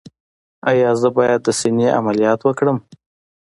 ایا زه باید د سینې عملیات وکړم؟